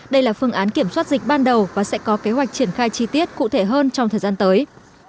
đây là phương án kiểm soát dịch ban đầu và sẽ có kế hoạch triển khai chi tiết cụ thể hơn trong thời gian tới